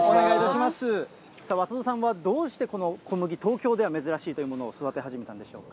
渡戸さんはどうしてこの小麦、東京では珍しいというものを育て始めたんでしょうか。